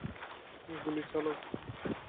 গুলি চালাও, সিক্স।